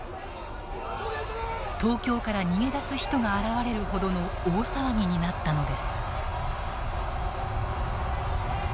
東京から逃げ出す人が現れるほどの大騒ぎになったのです。